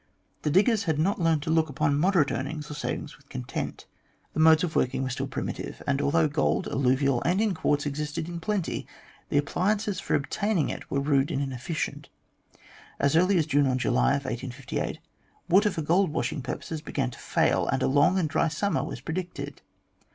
The diggers had not yet learned to look upon moderate earnings or savings with content. The modes of working were still primitive, and although gold, alluvial and in quartz, existed in plenty, the appliances for obtaining it were rude and inefficient. As early as the June or July of 1858, water for gold washing purposes began to fail, and a long and dry summer was predicted.